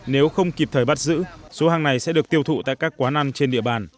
nếu không kịp thời bắt giữ số hàng này sẽ được tiêu thụ tại các quán ăn trên địa bàn